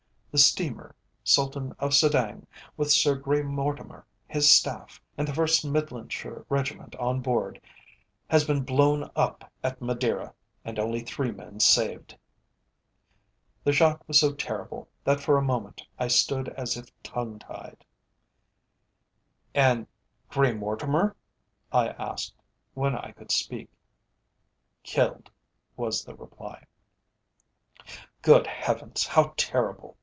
"The steamer, Sultan of Sedang, with Sir Grey Mortimer, his staff, and the first Midlandshire Regiment on board, has been blown up at Madeira, and only three men saved." The shock was so terrible, that for a moment I stood as if tongue tied. "And Grey Mortimer?" I asked, when I could speak. "Killed," was the reply. "Good Heavens! how terrible!"